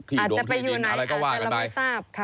อาจจะไปอยู่ไหนอาจจะไม่ทราบ